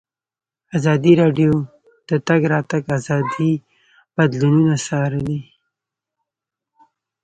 ازادي راډیو د د تګ راتګ ازادي بدلونونه څارلي.